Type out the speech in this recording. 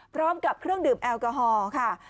พร้อมกับเครื่องดื่มแอลกอฮอล์ค่ะ